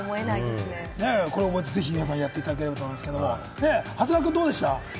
ぜひ皆さんやっていただけると思うんですけれど、長谷川君どうでした？